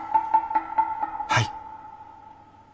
はい。